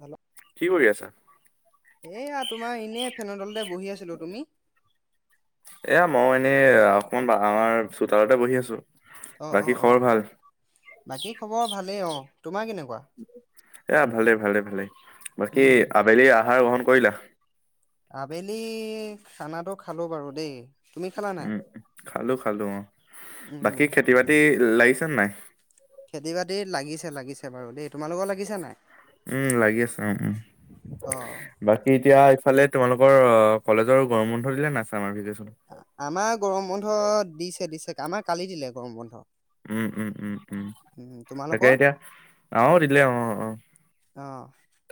Hello কি কৰি আছা? এয়া তোমাৰ এনেই ফেনৰ তলতে বহি আছিলোঁ, তুমি? এয়া মই এনেই অকমান বাৰ চোতালতে বহি আছোঁ। অ', অ', অ', বাকী খবৰ ভালেই অ', তোমাৰ কেনেকুৱা? এয়া ভাল দে ভাল দে ভালেই বাকী উম আবেলি আহাৰ গ্ৰহণ কৰিলা? আবেলি খানাটো খালোঁ বাৰু দেই। তুমি খালা নাই উম খালোঁ খালোঁ অ', উম, বাকী খেতি-বাতি লাগিছেনে নাই? খেতি-বাতি লাগিছে লাগিছে বাৰু দেই, তোমালোকৰ লাগিছে নাই? উম লাগি আছে, উ উম অ বাকী এতিয়া ফালে তোমালোকৰ অ কলেজৰ গৰম বন্ধ দিলে নাই চামাৰ ভেকেচনৰ? আমাৰ গৰম বন্ধ দিছে দিছে, আমাৰ কালি দিলে গৰম বন্ধ। উম উম উম উম তাকে এতিয়া আমাৰো দিলে অ', অ'। অ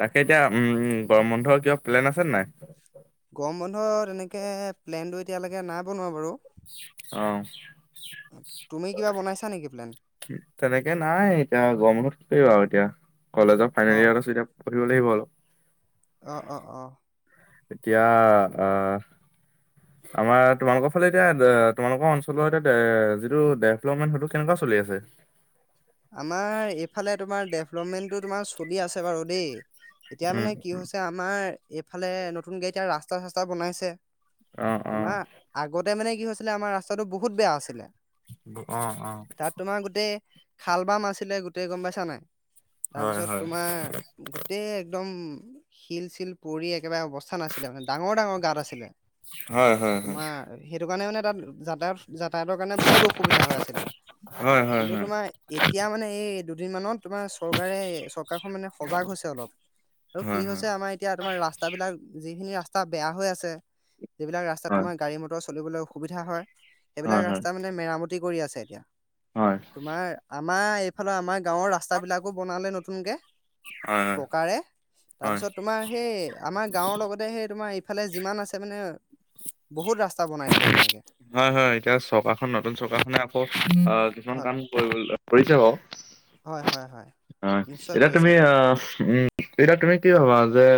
তাকে এতিয়া উম গৰম বন্ধৰ কিবা প্লেন আছেনে নাই? গৰম বন্ধ তেনেকে প্লেনটো এতিয়ালৈকে নাই বনোৱা বাৰু। অ তুমি কিবা বনাইছা নেকি প্লেন? তেনেকে নাই এতিয়া গৰম বন্ধ থ [unintelligible] আৰু এতিয়া কলেজৰ অ ফাইনেল ইয়েৰত আছো এতিয়া [unintelligible] অ', অ', অ'। এতিয়া আহ আমাৰ তোমালোকৰ ফালে এতিয়া তোমালোকৰ অঞ্চলৰ এতিয়া যিটো ডেভলপমেণ্ট সেইটো কেনেকুৱা চলিছে? ঠিক আছে। আমাৰ এইফালে তোমাৰ ডেভলপমেণ্টটো তোমাৰ চলি আছে বাৰু দেই। এতিয়া উম মানে কি হৈছে আমাৰ এইফালে নতুন গাড়ী এতিয়া ৰাস্তা-চাস্তা বনাইছে। অ', অ'। তোমাৰ আগতে মানে কি হৈছিলে আমাৰ ৰাস্তাটো বহুত বেয়া আছিলে। অহ অ' খাল-বাম আছিলে গোটেই গম পাইছা নাই? হয়, তাৰপিছত হয়, তোমাৰ গোটেই একদম শিল-চিল পৰি একেবাৰে অৱস্থা নাছিলে মানে ডাঙৰ-ডাঙৰ গাঁত আছিলে। হয়, হয়, তোমাৰ সেইটো কাৰণে মানে যাতায়াত যাতায়তৰ কাৰণে বহুত অসুবিধা হৈ আছিলে। হয়, হয়, হয়, হয়, কিন্তু হয়। তোমাৰ এতিয়া মানে এই দুদিন মানত তোমাৰ চৰকাৰে চৰকাৰখন মানে সজাগ হৈছে অলপ। আৰু কি হয়, হয়, হৈছে আমাৰ এতিয়া তোমাৰ ৰাস্তা বিলাক যিখিনি ৰাস্তা ৰাস্তা বেয়া হৈ আছে যিবিলাক ৰাস্তাত হয়, হয়, তোমাৰ গাড়ী মটৰ চলিবলৈ অসুবিধা হয় সেইবিলাক ৰাস্তা মানে মেৰামতি কৰি আছে এতিয়া। হয়। তোমাৰ আমাৰ এইফালে আমাৰ গাঁৱৰ ৰাস্তাবিলাকো বনালে নতুনকে। হয়, পকাৰে তাৰপিছত তোমাৰ সেই আমাৰ গাঁৱৰ লগতে সেই তোমাৰ ফালে যিমান আছে মানে বহুত ৰাস্তা বনাই দিলে তেনেকে হয় হয় এতিয়া চৰকাৰখন নতুন চৰকাৰখনে আকৌ আহ কিছুমান হয় কাম কৰিব কৰিছে বাৰু। হয় হয় হয় অ', নিশ্চয় এতিয়া কৰিছে তুমি আহ উম এতিয়া তুমি কি ভাৱা? যে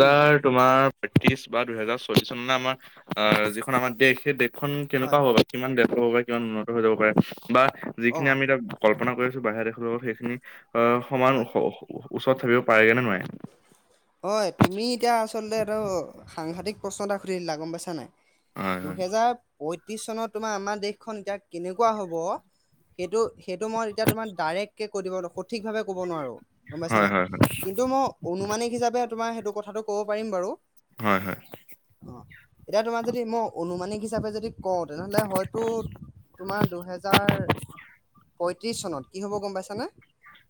উম তোমাৰ ত্ৰিশ বা দুহেজাৰ চল্লিশ চন মানে আমাৰ আহ যিখন আমাৰ দেশ সেই দেশখন কেনেকুৱা হয় হ'ব পাৰে, কিমান দেশ হ'ব পাৰে, কিমান উন্নত হৈ যাব পাৰে বা অ যিখিনি আমি এ কল্পনা কৰিছোঁ বাহিৰ দেশৰ লগত সেইখিনি আহ সমান হয় ওচৰত ধৰিব পাৰেগে নে? নোৱাৰে? অ', তুমি এতিয়া আচলতে এইটো সাংঘাতিক প্ৰশ্ন এটা সুধি দিলা গম পাইছা নাই? হয় দুহেজাৰ পঁইত্ৰিছ চনত তোমাৰ আমাৰ দেশখন এতিয়া কেনেকুৱা হ'ব? সেইটো, সেইটো মই এতিয়া তোমাক ডাইৰেক্ট কে কৈ দিব নু [unintelligible] ঠিকভাৱে ক'ব নোৱাৰো। গম পাইছা নে হয় নাই? হয় কিন্তু মই অনুুমানিক হিচাপে তোমাৰ সেইটো কথাটো ক'ব পাৰিম বাৰু। হয় হয় হয় অ, এতিয়া তোমাক যদি মই অনুমানিক হিচাপে যদি কওঁ, তেনেহ'লে হয়তো তোমাৰ দুহেজাৰ পয়ত্ৰিছ চনত কি হ'ব গম পাইছানে?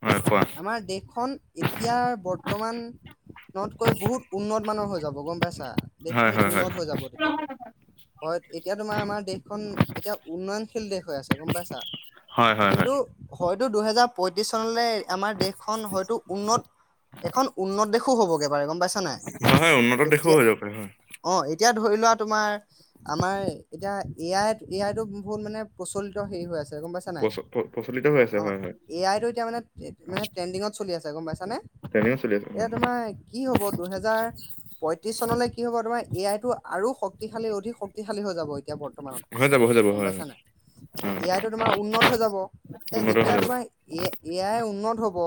হয় হয় কোৱা আমাৰ দেশখন এতিয়া বৰ্ত মানতকৈ বহুত উন্নত মানৰ হৈ যাব, গম পাইছা? হয় দেশখন হয় হয় উন্নত হৈ যাব তেতিয়ালৈ। হয়, এতিয়া তোমাৰ আমাৰ দেশখন এতিয়া উন্নয়নশীল দেশ হৈ আছে, গম পাইছা? হয় হয় হয় কিন্তু, হয় টো দুহেজাৰ পয়ত্ৰিছ চনলে আমাৰ দেশখন হয়তো উন্নত! এখন উন্নত দেশো হ'বগে পাৰে গম পাইছা নে নাই? হয় হয় উন্নত দেশো এতিয়া, হৈ যাব পাৰে হয় অ'। এতিয়া ধৰি লোৱা তোমাৰ, আমাৰ এতিয়া এ আইত, এ আইটো বহুত মানে প্ৰচলিত হেৰি হৈ আছে। তে গম পাইছা নে নাই? প্ৰচ প্ৰচলিত হৈ আছে অ' হয় হয় এ আইটো এতিয়া মানে! মানে ট্ৰেণ্ডিনংত চলি আছে, গম পাইছা নে? ট্ৰেইনিঙো চলি আছে এয়া হয় তোমাৰ কি হ'ব, দুহেজাৰ পয়ত্ৰিছ চনলৈ কি হ'ব তোমাৰ, এ আইটো আৰু শক্তিশালী অধিক শক্তিশালী হৈ যাব। এতিয়া হৈ বৰ্তমানতকৈ, যাব হৈ যাব হয় গম হয় পাইছা নে নাই? হয় এ আইতো তোমাৰ উন্নত হৈ যাব। এই উন্নত হৈ যেতিয়া যাব তোমাৰ এ-এ আই উন্নত হ'ব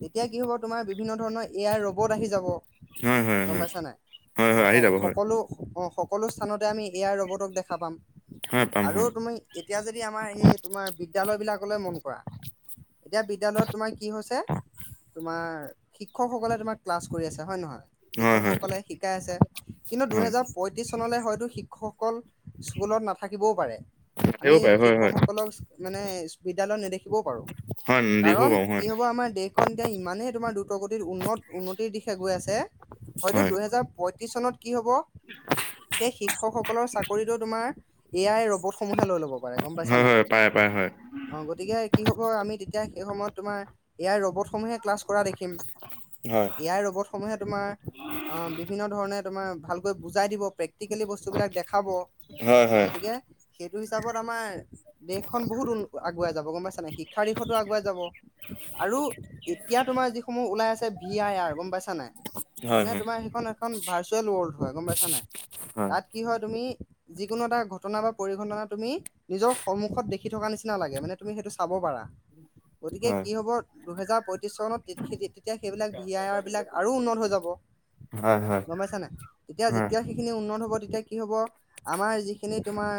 তেতিয়া কি হ'ব তোমাৰ, বিভিন্ন ধৰণৰ এ আই ৰ'বট আহি যাব। হয় হয় গম হয় পাইছা নে নাই? হয় হয় অ' আহি যাব স হয় সকলো অ' সকলো স্থানতে আমি এ আই ৰ'বটক দেখা পাম। হয় পাম আৰু হয় তুমি এতিয়া যদি আমাৰ সেই তোমাৰ বিদ্যালয় বিলাকলৈ মন কৰা এতিয়া বিদ্যালয়ত তোমাৰ কি হৈছে তোমাৰ, শিক্ষকসকলে তোমাৰ ক্লাছ কৰি আছে, হয় নে নহয়? হয় হয় শিক্ষকসকলে শিকাই আছে, কিন্তু হয় দুহেজাৰ পয়ত্ৰিছ চনলৈ হয়তো শি ক্ষকসকল স্কুলত নাথাকিবও পাৰে। আহিব আমি পাৰে হয় হয় শিক্ষকসকলক মানে বিদ্যালয়ত নেদেখিবও পাৰোঁ। হয় দেখো কাৰণ বাৰু হয় কি হ'ব আমাৰ দেশ ইমানে তোমাৰ দ্ৰুতগতিত উন্নত উন্নতিৰ দিশে গৈ আছে, হয়তো হয় দুহেজাৰ পয়ত্ৰিছ চনত কি হ'ব, এই শিক্ষকসকলৰ চাকৰিটো তোমাৰ এ আই ৰ'বট স মূহে লৈ ল'ব পাৰে, গম পাইছা হয় নাই? হয় পাৰে পাৰে হয় অ' গতিকে কি হ'ব আমি তেতিয়া সেই সময়ত তোমাৰ এ আই ৰ'বট সমূহে ক্লাছ কৰা দেখিম। হয় এ আই ৰ'বটসমূহে তোমাৰ অ'! বিভিন্ন ধৰণে তোমাৰ ভালকৈ বুজাই দিব, প্ৰেক্টিকেলি বস্তুবিলাক দেখাব। হয় হয় গতিকে সেই সিটো হিচাপত আমাৰ দেশখন বহুত উন আগুৱাই যাব, গম পাইছা নে নাই? শিক্ষাৰ দিশতো আগুৱাই যাব। আৰু এতিয়া তোমাৰ যিসমূহ ওলাই আছে, ভি আই আৰ, গম পাইছা নাই? হয় মানে হয় তোমাৰ সেইখন এখন ভাৰ্চুৱেল ৱৰ্ল্ড হয়, গম পাইছা নাই? হয় তাত কি হয় তুমি যিকোনো এটা ঘটনা বা পৰিঘটনা তুমি নিজৰ সন্মুখত দেখি থকা নিচিনা লাগে, মানে তুমি সেইটো চাব পাৰা। গতিকে হয় কি হ'ব দুহেজাৰ [unintelligible] তেতিয়া সেইবিলাক ভি আই আৰ বিলাক আৰু উন্নত হৈ যাব। হয় হয় হয় গম পাইছা নে নাই? তেতিয়া হয় যেতিয়া সেইখিনি উন্নত হ'ব, তেতিয়া কি হ'ব! আমাৰ যিখিনি তোমাৰ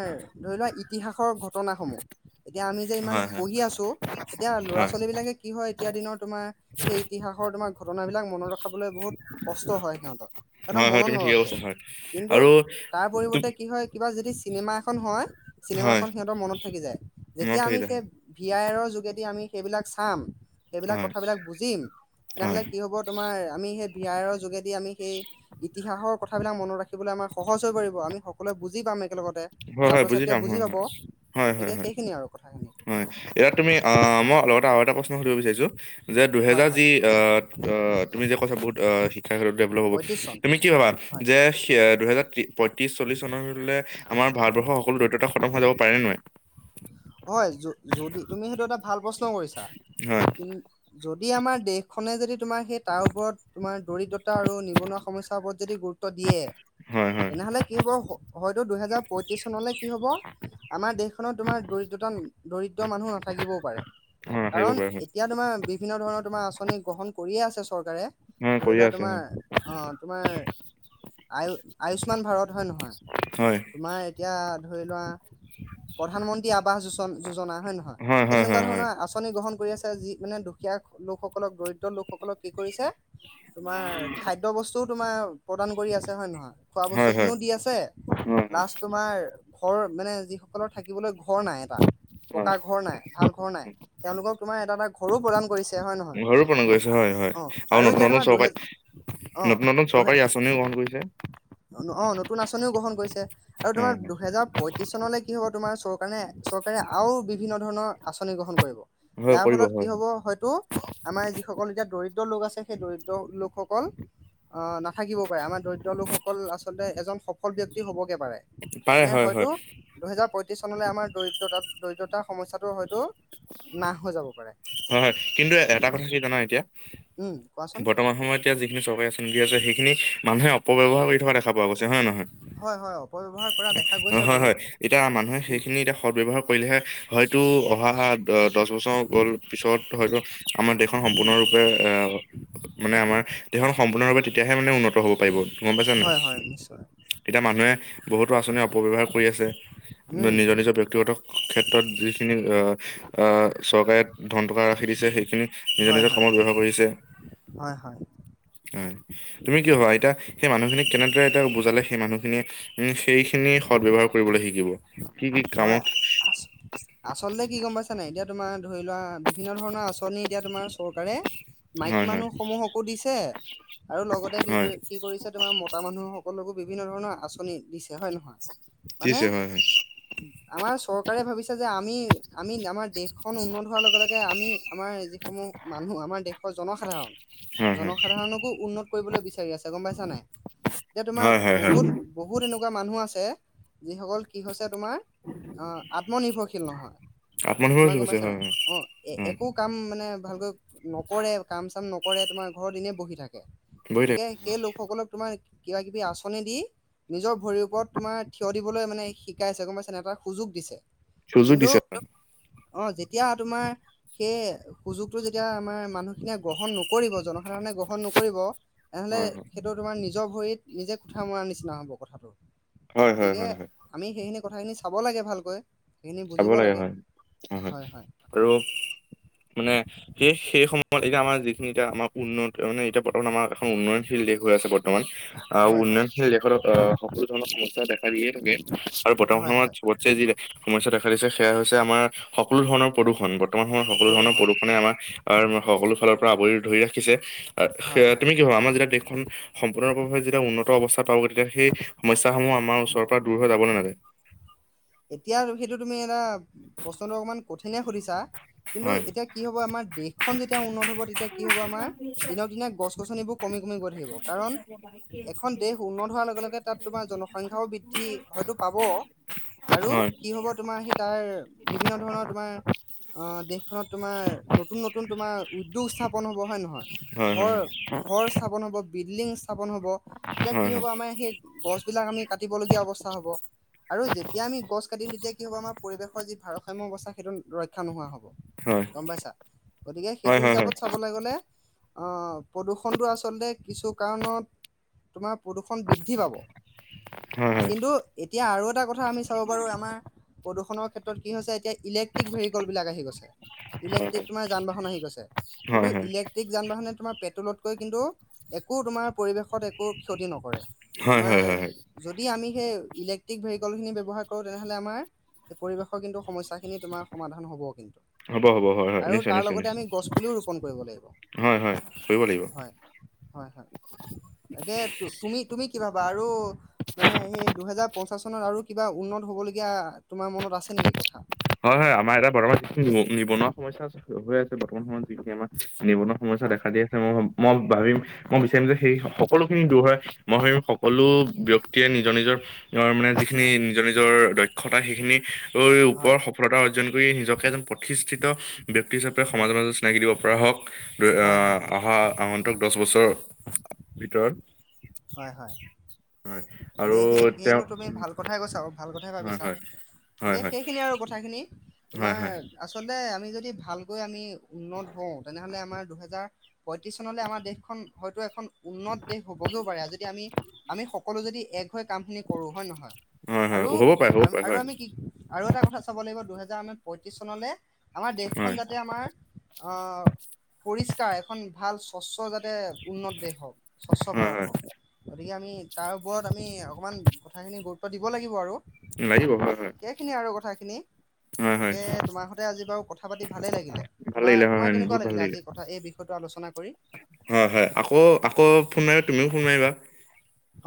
ধৰি লোৱা ইতিহাসৰ ঘটনা সমূহ এতিয়া আমি যে ইমান হয় পঢ়ি আছো, এতিয়া হয় ল'ৰা-ছোৱালী বিলাকে কি হয় এতিয়া দিনত [unintelligible] সেই ইতিহাসৰ তোমাৰ ঘ ঘটনাবিলাক মনত ৰখাবলৈ বহুত কষ্ট হয় সিহঁতৰ, সিঁহতৰ হয় হয় মনত তুমি ঠিকে নৰখে। কৈছা হয় কিন্তু আৰু তাৰ পৰিৱৰ্তে কি হয় কিবা [unintelligible] চিনেমা এখন হয়, হয় চিনেমাখন সিঁহতৰ মনত থাকি যায়। মনত যেতিয়া আমি থাকিলে সেই হয় ভি আই আৰৰ যোগেদি আমি সেইবিলাক চাম সেইবিলাক হয় কথাবিলাক বুজিম। হয় তেতিয়াহ'লে কি হ'ব, তোমাৰ আমি সেই ভি আই আৰৰ যোগেদি আমি সেই ইতিহাসৰ কথাবিলাক মনত ৰাখিবলৈ আমাৰ সহজ হৈ পৰিব আমি সকলোৱে বুজি পাম একেলগত। হয় হয় ছাত্ৰ ছাত্ৰীয়ে পাম বুজি হয় পাব। হয় হয় হয় গতিকে হয় সেইখিনিয়ে আৰু কথাখিনি। হয় এতিয়া তুমি আহ! অ মই লগতে আৰু এটা প্ৰশ্ন সুধিব বিচাৰিছোঁ যে হয় দুহেজাৰ হয় যি আহ তুমি যে কৈছা বহুত শিক্ষা ক্ষেত্ৰত ডেভলপ হ'ব পঁয়ত্ৰিশ চন তুমি কি ভাবা হয় যে সিয়েত দুহেজাৰ ত্ৰি পঁয়ত্ৰিশ চল্লিশ চনলে আমাৰ ভাৰতবৰ্ষৰ সকলো দৰিদ্ৰতা খতম হৈ যাব পাৰে নোৱাৰে? হয় য যদি তুমি সেইটো এটা ভাল প্ৰশ্ন কৰিছা হয় কি যদি আমাৰ দেশখনে যদি তোমাৰ সেই তাৰ ওপৰত তোমাৰ দৰিদ্ৰতা আৰু নিবনুৱা সমস্যাৰ ওপৰত যদি গুৰুত্ব দিয়ে। হয় হয় হয় তেনেহলে কি হব হয়তো দুহেজাৰ পয়ত্ৰিশ চনলৈ কি হব আমাৰ দেশখনত তোমাৰ দৰিদ দন দৰিদ্ৰ মানুহ নাথাকিবও পাৰে। নাথাকিব কাৰণ পাৰে হয় এতিয়া তোমাৰ বিভিন্ন ধৰণৰ তোমাৰ আঁচনি গ্ৰহণ কৰি চৰকাৰে হয় ধৰি কৰিয়ে লোৱা আছে তোমাৰ হয় অহ তোমাৰ আয় আয়ুস্মান ভাৰত হয় নহয় হয় তোমাৰ এতিয়াত ধৰিলোৱা প্ৰধানমন্ত্ৰী আৱসযোজনা হয় নহয়, এই হয় তেনেকুৱা হয় হয় ধৰণৰ আঁচনি গ্ৰহণ কৰি আছে যি মানে দুখীয়া লোকসকলক দৰিদ্ৰ লোকসকলক কি কৰিছে। তোমাৰ খাদ্য বস্তুও তোমাৰ প্ৰদান কৰি আছে হয় নে নহয়। খোৱা বস্তু হয় হয় খিনিও দি আছে, হয় প্লাছ তোমাৰ ঘৰ মানে যিসকলৰ থাকিবলৈ ঘৰ নাই এটা, হয় হয় পকা ঘৰ নাই, ভাল ঘৰ নাই, তেওঁলোকক তোমাৰ এটা এটা ঘৰো প্ৰদান কৰিছে। হয় নহয় ঘৰো প্ৰদান কৰিছে হয় হয়। অ আৰু নতুন এতিয়া নতুন তোমাৰ দুহেজ চৰকাৰি নতুন নতুন চৰকাৰী আঁচনিও গ্ৰহণ কৰিছে। অহ' নতুন আঁচনিও গ্ৰহণ কৰিছে, আৰু তোমাৰ হয় হয় দুহেজাৰ পয়ত্ৰিশ চনলৈ কি হ'ব তোমাৰ চৰকাৰে চৰকাৰে আৰু বিভিন্ন ধৰণৰ আঁচনি গ্ৰহণ কৰিব। হয় যাৰ কৰিব ফলত কি হয় হয় হ'ব হয়তো, আমাৰ যিসকল এতিয়া দৰিদ্ৰ দৰিদ্ৰ লোক আছে, সেই দৰিদ্ৰ লোকসকল অহ, নাথাকিব পাৰে, আমাৰ দৰিদ্ৰ লোকসকল সকল আচল এজন সফল ব্যক্তি হ'বগে পাৰে, পাৰে এনে হয় হয় হয়তো প্ৰতি চনলে আমাৰ দৰিদ্ৰতা, দৰিদ্ৰতাৰ সমস্যাতটো হয়তো নাশ হৈ যাব পাৰে। হয় হয় কিন্তু এটা কথা কি জানা এতিয়া, উম কোৱাচোন বৰ্তমান সময়ত এতিয়া যিখিনি চৰকাৰ আঁচনি দি আছে সেইখিনি মানুহে অপব্যৱহাৰ কৰি থকা দেখা পোৱা গৈছে হয় নে নহয়। হয় হয় অপব্যৱহাৰ কৰা দেখা হয়, গৈছে হয়, বাৰু হয় এতিয়া মানুহে উম সেইখিনি সত ব্যৱহাৰ কৰিলেহে হয়তো অহা, দহ বছৰ গ'ল পিছত হয়তো আমাৰ দেশখন উম সম্পূৰ্ণৰূপে অহ, মানে আমাৰ দেশখন সম্পূৰ্ণৰূপে তেতিয়া তেহে মানে উন্নত হ'ব পাৰিব। গম পাইছ নে, হয় হয় নিশ্চয় এতিয়া মানুহে বহুতো আঁচনি অপব্যৱহাৰ কৰি আছে। উম নিজৰ নিজৰ ব্যক্তিগত ক্ষেত্ৰত যিখিনি অহ', অহ' চৰকাৰে। ধন টকা ৰাখি দিছে, সেইখিনি নিজে হয় নিজে হয় কমত ব্যৱহাৰ কৰিছে। হয় হয় হয় তুমি কি ভাবা এতিয়া সেই মানুহখিনিক কেনেদৰে এতিয়া বুজালে সেই মানুহখিনিয়ে উম' সেইখিনি সদ ব্যৱহাৰ কৰিবলৈ শিকিব। কি কি হয়, কামত আ-আচলতে কি গম পাইছ নাই এতিয়া তোমাৰ ধৰি লোৱা বিভিন্ন ধৰণৰ আঁচনি এতিয়া তোমাৰ চৰকাৰে মাইকী হয় হয় মানুহ সমূহকো দিছে আৰু লগতে কি হয় কৰি, কি কৰিছে তোমাৰ মতা মানুহ সকলোকো বিভিন্ন ধৰণৰ আঁচনি দিছে হয় নহয়, মানে দিছে হয় হয় আমাৰ চৰকাৰে ভাবিছে যে আমি, আমি আমাৰ দেশ দেশখন উন্নত হোৱাৰ লগে লগে আমি আমাৰ যিসমূহ মানুহ আমাৰ দেশৰ জনসাধাৰণ হয় জনসাধাৰণকো উন্নত কৰিবলৈ বিচাৰে। গম পাইছা নাই, এতিয়া তোমাৰ হয় হয় হয় বহুত বহুত এনেকুৱা এনেকুৱা মানুহ আছে, যিসকল কি হৈছে তোমাৰ অহ, আত্মনিৰ্ভৰশীল নহয়। তোমাক আত্মনিৰ্ভৰশীল গম হৈছে পাইছা হয় নাই হয় অহ, এ হয় একো কাম মানে ভালকৈ নকৰে কাম চাম নক কৰে তোমাৰ ঘৰত এনেই বহি থাকে, বহি গতিকে থাকে সেই লোকসকলক তোমাৰ কিবা কিবি আঁচনি দি নিজৰ ভৰিৰ ওপৰত তোমাৰ থিয় দিবলৈ মানে শিকাইছে গম পাইছেনে নাই তাৰ সুযোগ দিছে, সুযোগ কিন্তু দিছে অহ যেতিয়া তোমাৰ সেই সুযোগটো যেতিয়া আমাৰ মানুহখিনিয় গ্ৰহণ নকৰিব, জনসাধাৰণে গ্ৰহণ নকৰিব। তেনেহলে হয় হয় সেইটো তোমাৰ নিজৰ ভৰিত নিজে কোঠা মৰাৰ নিচিনা হ'ব কথাটো। হয়, হয়, গতিকে হয়, হয়। আমি সেইখিনি কথাখিনি চাব লাগে ভালকৈ। সেইখিনি চাব বুজিব লাগে হয় অহ, হয় আৰু। মানে সেই, সেই সময়ত এতিয়া আমাৰ যিখিনি এতিয়া আমাৰ উন্নত তাৰমানে এতিয়া বৰ্তমান আমাৰ এখন উন্নয়নশীল দেশ হৈ আছে। বৰ্তমান অহ, হয় হয় উন্নয়নশীল দেশত অহ, সকলো ধৰণৰ সমস্যা দেখা দিয়ে থাকে আৰু বৰ্তমান হয় হয় সময়ত বতছে্ জিৰাই। সমস্যা দেখা দিছে সেয়া হৈছে আমাৰ সকলো ধৰণৰ প্ৰদূৰণ বৰ্তমান সময়ত সকলো ধৰণৰ প্ৰদূষণ প্ৰদূৰণে আমাৰ সকলো ফালৰ পৰা আৱৰি ধৰি ৰাখিছে। হয় সেয়া হয় তুমি কি ভাবা। আমাৰ যেতিয়া দেশখন সম্পূৰ্ণৰূপে যেতিয়া উন্নত অৱস্থা পাব তেতিয়া সেই সমস্যা সমস্যাসমূহ আমাৰ উম, ওচৰৰ পৰা দূৰ হৈ যাব নে নাযায়। এতিয়া সেইটো তুমি এটা প্ৰশ্নটো অকণমান কঠিন নে সুধিছা কিন্তু হয় এতিয়া কি হ'ব আমাৰ দেশখন যেতিয়া উন্নত হ তেতিয়া কি হ'ব আমাৰ দিনক দিনে গছ গছনিবোৰ কমি কমি গৈ থাকিব কাৰণ এখন দেশ উন্নত হোৱাৰ লগে লগে তাত তোমাৰ জনসংখ্যাও বৃদ্ধি হয়তটো পাব। হয়। আৰু কি হ'ব তোমাৰ সি তাৰ বিভিন্ন ধৰণৰ তোমাৰ অ দেশ খনত তোমাৰ নতুন নতুন তোমাৰ উদ্যোগ স্থাপন হ'ব হয় নহয়। হয় হয় ঘৰ ঘৰ চাবন হব বিল্ডিং স্থাপন হব তেতিয়া কি হয় হ'ব আমাৰ সেই গছ বিলাক আমি কাটিবলগীয়া অৱস্থা হ'ব আৰু খোজ কঢিম তেতিয়া কি হ'ব আমাৰ পৰিৱেশ যি ভাৰসাম্যৰ অৱস্থা সেইটো ৰক্ষা নোহোৱা হ'ব। হয় হয় হয় গম পাইছা গতিকে সেইটো হয় হয় হয় হিচাপত চাবলৈ গলে প্ৰদূষণটো আচলতে কিছু কাৰণত তোমাৰ প্ৰদূষণ বৃদ্ধি পাব হয় হয় কিন্তু এতিয়া আৰু এটা কথা আমি চাব বাৰু আমাৰ প্ৰদূষণৰ ক্ষেত্ৰত কি হৈছে এতিয়া ইলেক্ট্ৰিক ভেহিককল বিলাক আহি গৈছে। হয়। ইলেক্ট্ৰিক তোমাৰ যান বাহন আহি গৈছে কিন্তু হয় হয় ইলেক্ট্ৰিক যান বাহনে তোমাৰ পেট্ৰলতকৈ কিন্তু একো তোমাৰ পৰিৱেশত একো ক্ষতি নকৰে। হয় তোমাৰ হয় হয় হয় যদি আমি সেই ইলেক্ট্ৰিক ভেহিক খিনি ব্যৱহাৰ কৰো তেনেহলে আমাৰ পৰিৱেশৰ কিন্তু সমস্যা খিনি তোমাৰ সমাধান হ'ব। হ'ব হ'ব হয় হয় আৰু নিশ্চয় তাৰ নিশ্চয় লগতে নিশ্চয় আমি গছ পুলিও ৰোপন কৰিব লাগিব। হয় হয় কৰিব লাগিব। হয় হয় হয় তাকে তুমি তুমি কি ভাবা আৰু মানে সেই দুহেজাৰ পঞ্চাশ চনত আৰু কিবা উন্নত হ'বলগীয়া তোমাৰ মনত আছে নেকি কথা। হয় হয় আমাৰ এতিয়া বৰ্তমান কি নিবনুৱা সমস্যা আছে হৈ আছে। বৰ্তমান সময়ত যিখিনি আমাৰ নিবনুৱা সমস্যা হয় দেখা দি আছে মই মই ভাবিম মই বিচাৰিম যে সেই সকলোখিনি দূৰ হয় মই ভাৱিম সকলো ব্যক্তিয়ে নিজৰ নিজৰ অ মানে যিখিনি হয় নিজৰ নিজৰ দক্ষতা সেইখিনি ওপৰ হয় অৰ্জন কৰি নিজকে এজন প্ৰতিষ্ঠিত ব্যক্তি হিচাপে হয় সমাজৰ মাজত চিনাকি দিব পৰা হওক হয় আহ অহা আহ দহ বছৰ ভিতৰত হয় হয় হয় হয় আৰু গতিকে সেই তেওঁ সেইনো তুমি উম, ভাল কথাই কৈছা ভাল কথাই হয় ভাবিছা হয় হয় গতিকে হয় সেইখিনি আৰু কথা। হয় তোমাৰ হয় আচলতে আমি যদি ভালকৈ আমি উন্নত হওঁ তেনেহলে আমাৰ- দুহেজাৰ পয়ত্ৰিশ চনলৈ আমাৰ দেশখন হয়তো এখন উন্নত দেশ হবগেও পাৰে যদি আমি আমি সকলো যদি এক কামখিনি কৰো হয় নহয় হয় হয় আৰু হ'ব পাৰে হ'ব পাৰে আৰু হয় আমি কি আৰু এটা কথা চাব লাগ দুহেজাৰ আমাৰ পয়ত্ৰিশ চনলৈ আমাৰ দেশখন হয় যাতে আমাৰ অ', পৰিষ্কাৰ এখন ভাল স্বচ্ছ জা উন্নত দেশ হওক, স্বচ্ছ হয় ভাৰত হয় হওক, গতিকে আমি তাৰ ওপৰত আমি অকণমান কথাখিনি গুৰুত্ব দিব লাগিব আৰু। লাগিব, হয় হয়। খিনি হয় হয় একে তোমাৰ সৈতে আজি বাৰু কথা পাতি ভালেই লাগিলে। ভাল লাগিলে হয় তোমাৰ-তোমাৰ হয় কেনেকুৱা বহুত ভাল লাগিল লাগিলে আজি কথা এই বিষয়টো আলোচনা কৰি হয় হয় আকৌ-আকৌ ফোন মা, তুমিও ফোন মাৰিবা।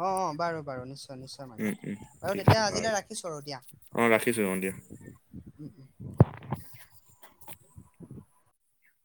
অ' অ বাৰু-বাৰু নিশ্চয়। নিশ্চয় মাৰিম উম উম আৰু ঠিক তেতিয়া আছে বাৰু আজিলৈ ৰাখিছো আৰু দিয়া। অঁ ৰাখিছোঁ অঁ দিয়া [inaudible] [unintelligible]